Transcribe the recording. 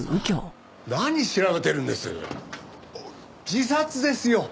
自殺ですよ。